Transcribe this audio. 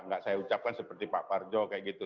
enggak saya ucapkan seperti pak fardyot kayak gitu